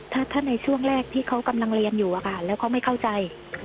ถ้าในช่วงแรกที่เขากำลังเรียนอยู่อะค่ะแล้วเขาไม่เข้าใจ